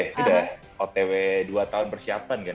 itu dah otw dua tahun persiapan kan